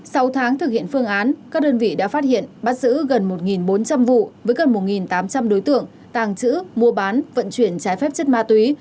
sau tháng thực hiện phương án các đơn vị đã phát hiện bắt giữ gần một bốn trăm linh vụ với gần một tám trăm linh đối tượng tàng trữ mua bán vận chuyển trái phép chất ma túy